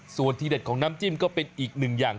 ส่วนที่เด็ดของน้ำจิ้มก็เป็นอีกหนึ่งอย่าง